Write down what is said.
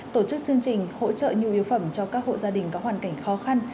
tổ chức chương trình hỗ trợ nhu yếu phẩm cho các hộ gia đình có hoàn cảnh khó khăn